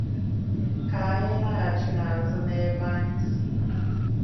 ka anyị laghachinụ azụ n'ebe anyị si